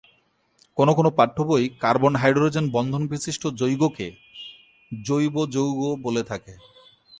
কোন কোন পাঠ্যবই কার্বন-হাইড্রোজেন বন্ধন বিশিষ্ট যৌগকে জৈব যৌগ বলে থাকে।